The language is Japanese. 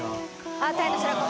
あっタイの白子。